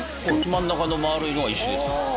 真ん中の丸いのが石です